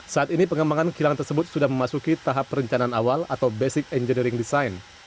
saat ini pengembangan kilang tersebut sudah memasuki tahap perencanaan awal atau basic engineering design